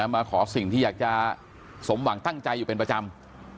มาขอสิ่งที่อยากจะสมหวังตั้งใจอยู่เป็นประจำ